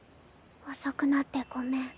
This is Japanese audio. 遅くなってごめん。